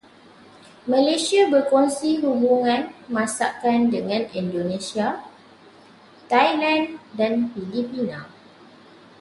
Malaysia berkongsi hubungan masakan dengan Indonesia, Thailand dan Filipina.